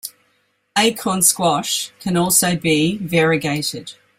Acorn squash can also be variegated.